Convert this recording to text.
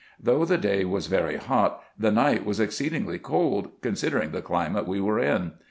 Though the day was very hot, the night was exceedingly cold, considering the climate we were in.